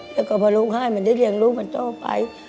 แล้วก็พอลูกให้มันได้เลี้ยงลูกมันต่อไป